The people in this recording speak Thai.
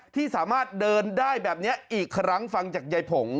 ที่สามารถเดินได้แบบนี้อีกครั้งฟังจากยายผง